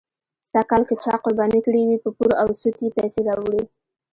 سږکال که چا قرباني کړې وي، په پور او سود یې پیسې راوړې.